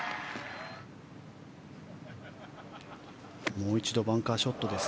もう一度バンカーショットです。